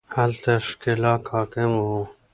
هلته ښکېلاک حاکم وو